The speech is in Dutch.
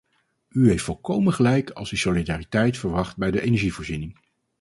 U heeft volkomen gelijk als u solidariteit verwacht bij de energievoorziening.